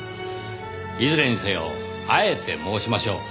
いずれにせよあえて申しましょう。